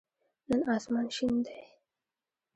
نن آسمان شین دی